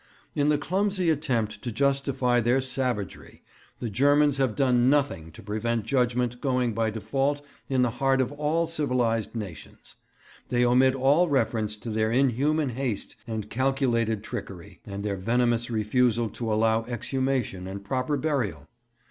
In the clumsy attempt to justify their savagery the Germans have done nothing to prevent judgement going by default in the heart of all civilized nations. They omit all reference to their inhuman haste and calculated trickery, and their venomous refusal to allow exhumation and proper burial.